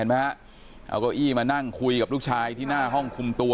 ไหมฮะเอาเก้าอี้มานั่งคุยกับลูกชายที่หน้าห้องคุมตัว